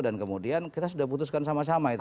dan kemudian kita sudah putuskan sama sama itu